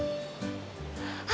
あ！